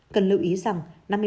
cần lưu ý rằng năm mươi bảy